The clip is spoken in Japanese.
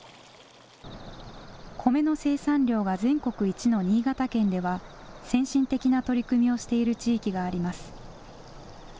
米の生産量が全国一の新潟県では先進的な取り組みをしている地域があります。